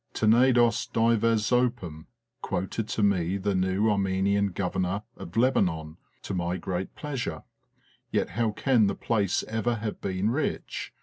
" Tenedos dives opum," quoted to me the new Armenian Governor of Lebanon, to my great pleasure ; yet how can the place ever have been rich